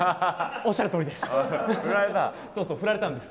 おっしゃるとおりです。